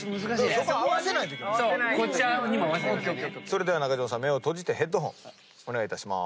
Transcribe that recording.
それでは中島さん目を閉じてヘッドホンお願いいたしまーす。